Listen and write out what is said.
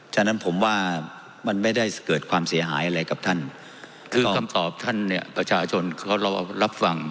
ฉะนั้นผมว่ามันไม่ได้เกิดความเสียหายอะไรกับท่านคือคำตอบท่านเนี่ยประชาชนเขาเรารับฟัง